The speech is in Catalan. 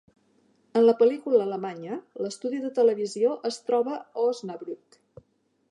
En la pel·lícula alemanya, l'estudi de televisió es troba a Osnabrück.